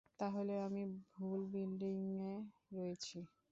তাহলে আমি ভুল বিল্ডিংয়ে রয়েছি।